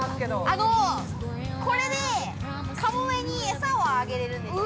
◆あの、これでカモメに餌をあげれるんですよ。